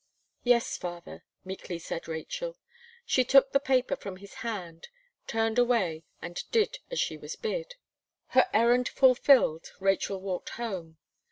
"Yes, father," meekly said Rachel. She took the paper from his hand, turned away, and did as she was bid. Her errand fulfilled, Rachel walked home.